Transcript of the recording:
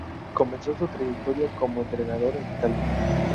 Comenzó su trayectoria como entrenador en Italia.